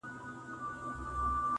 چې بندي د یار د زلفو په ځنځیر یم.